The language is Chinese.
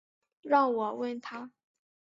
让我问他